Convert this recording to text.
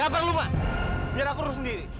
gak perlu ma biar aku urus sendiri